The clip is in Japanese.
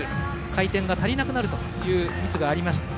回転が足りなくなるミスがありました。